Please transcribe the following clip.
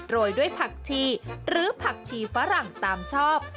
โรยด้วยผักชีหรือผักชีฝรั่งตามชอบ